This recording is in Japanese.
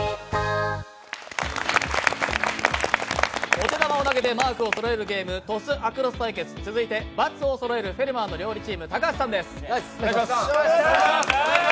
お手玉を投げてマークをそろえるゲーム「ＴｏｓｓＡｃｒｏｓｓ」続いてはバツをそろえる「フェルマーの料理」チーム、高橋さんです。